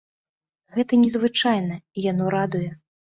Гэта незвычайна, і яно радуе.